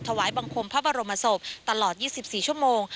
ถวายบังคมพระบรมศพตลอด๒๔ชั่วโมง